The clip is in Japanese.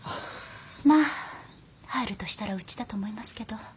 まあ入るとしたらうちだと思いますけど。